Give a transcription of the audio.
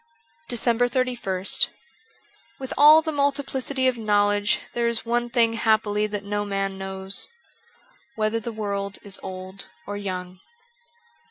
'' 405 DECEMBER sist WITH all the multiplicity of knowledge there is one thing happily that no man knows : whether the world is old or young.